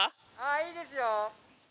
いいですよ。